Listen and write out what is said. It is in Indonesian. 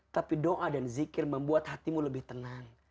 tapi doa dan zikir membuat hatimu lebih tenang